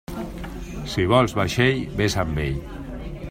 Si vols vaixell, vés amb ell.